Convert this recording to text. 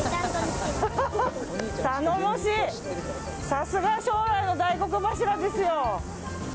さすが、将来の大黒柱ですよ。